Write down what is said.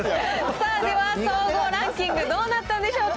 さあ、では総合ランキング、どうなったんでしょうか。